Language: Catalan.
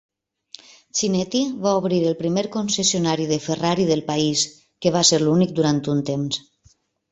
Chinetti va obrir el primer concessionari de Ferrari del país, que va ser l'únic durant un temps.